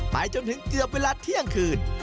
จนถึงเกือบเวลาเที่ยงคืน